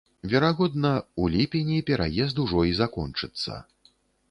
Верагодна, у ліпені пераезд ужо і закончыцца.